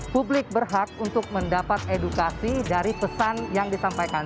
publik berhak untuk mendapat edukasi dari pesan yang disampaikan